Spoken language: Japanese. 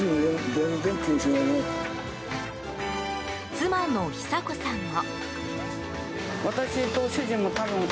妻の久子さんも。